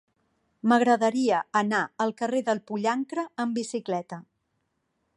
M'agradaria anar al carrer del Pollancre amb bicicleta.